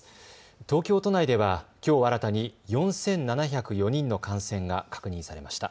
東京都内では、きょう新たに４７０４人の感染が確認されました。